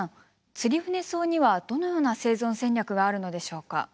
ツリフネソウにはどのような生存戦略があるのでしょうか？